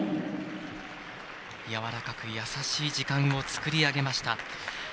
やわらかく優しい時間を作り上げました。